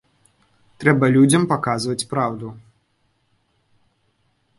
Трэба людзям паказваць праўду.